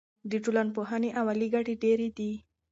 د ټولنپوهنې عملي ګټې ډېرې دي.